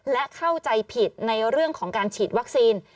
และเข้าใจผิดในเรื่องของการฉีดวัคซีน